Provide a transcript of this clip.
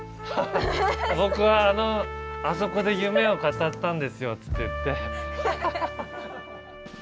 「僕はあのあそこで夢を語ったんですよ」って言って。